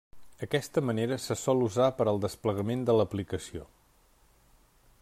Aquesta manera se sol usar per al desplegament de l'aplicació.